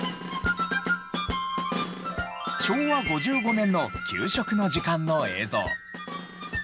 昭和５５年の給食の時間の映像。